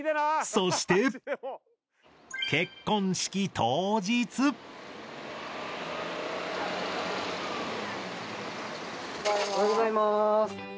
そしておはようございます。